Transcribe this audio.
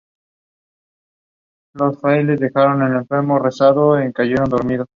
Es un filtro no causal con extremos de decaimiento relativamente lentos.